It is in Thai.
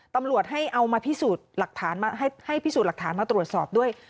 ตำรวจให้เอามาพิสูจน์หลักฐานมาให้พิสูจน์หลักฐานมาตรวจสอบด้วย